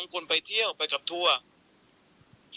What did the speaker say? คนไปเที่ยวไปกับทัวร์